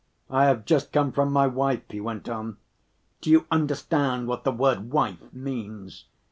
"I have just come from my wife," he went on. "Do you understand what the word 'wife' means?